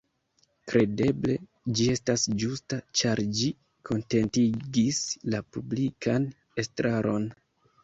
Kredeble ĝi estas ĝusta, ĉar ĝi kontentigis la publikan estraron.